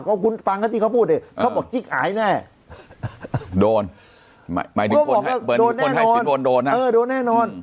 ก็คุณฟังกันที่เขาพูดดิเขาบอกจิ๊กหายแน่โดนหมายถึงโดนแน่นอนโดนแน่นอน